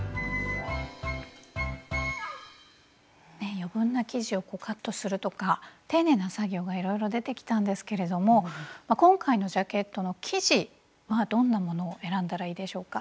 余分な生地をカットするとか丁寧な作業がいろいろ出てきたんですけれども今回のジャケットの生地はどんなものを選んだらいいでしょうか？